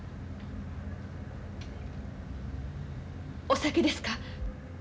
お酒ですか？